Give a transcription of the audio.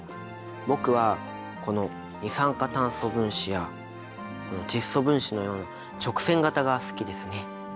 僕はこの二酸化炭素分子や窒素分子のような直線形が好きですね。